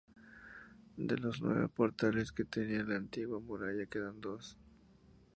De los nueve portales que tenía la antigua muralla quedan dos.